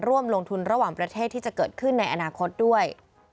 ร่วมลงทุนระหว่างประเทศที่จะเกิดขึ้นในอนาคตด้วย